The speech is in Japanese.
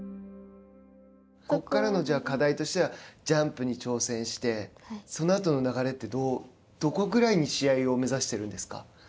ここからの課題としてはジャンプに挑戦してそのあとの流れって、どこくらいに試合を目指しているんですか。